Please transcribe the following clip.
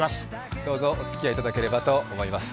どうぞおつきあいいただければと思います。